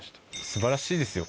素晴らしいですよ